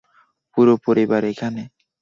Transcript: পুরো পরিবার এখানে!